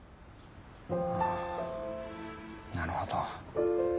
ああなるほど。